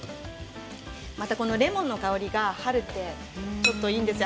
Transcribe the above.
またレモンの香りが春ってちょっといいんですよ